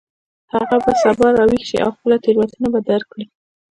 هغه به سبا راویښ شي او خپله تیروتنه به درک کړي